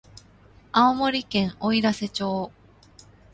青森県おいらせ町